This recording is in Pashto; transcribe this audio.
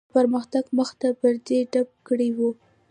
د پرمختګ مخه یې پرې ډپ کړې وه.